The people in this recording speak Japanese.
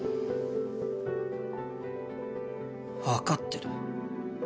分かってる。